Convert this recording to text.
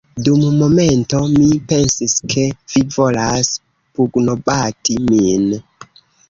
Dum momento, mi pensis, ke vi volas pugnobati min